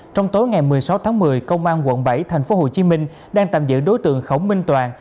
trong tối ngày một mươi sáu tháng một mươi công an quận bảy thành phố hồ chí minh đang tạm giữ đối tượng khổng minh toàn